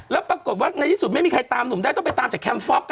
แล้วปรากฏว่าในที่สุดไม่มีใครตามหนุ่มได้ต้องไปตามจากแคมฟ็อก